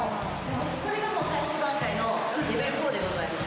これ最終段階のレベル４でございます。